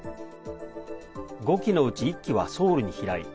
５機のうち１機はソウルに飛来。